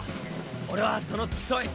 俺はその付き添い。